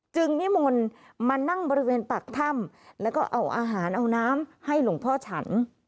นิมนต์มานั่งบริเวณปากถ้ำแล้วก็เอาอาหารเอาน้ำให้หลวงพ่อฉัน